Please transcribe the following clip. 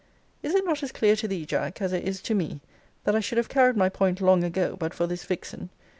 Is it not as clear to thee, Jack, as it is to me, that I should have carried my point long ago, but for this vixen?